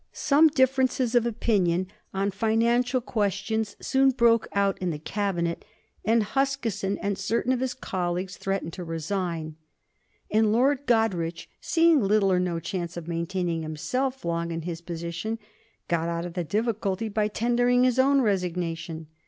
Some differences of opinion on financial questions soon broke out in the Cabinet, and Huskisson and certain of his colleagues threatened to resign; and Lord Goderich, seeing little or no chance of maintaining himself long in his position, got out of the difficulty by tendering his own resignation.